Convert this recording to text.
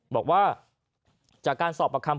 บอกว่าจากการสอบประคำ